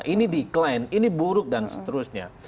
ini di client ini buruk dan seterusnya